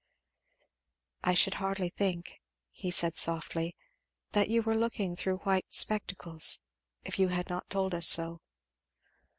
"I should hardly think," said he softly, "that you were looking through white spectacles, if you had not told us so."